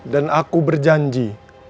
dan aku berjanji